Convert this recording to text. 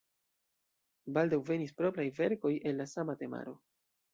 Baldaŭ venis propraj verkoj el la sama temaro.